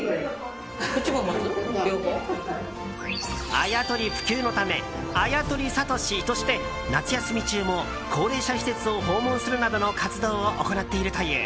あやとり普及のためあやとりサトシとして夏休み中も高齢者施設を訪問するなどの活動を行っているという。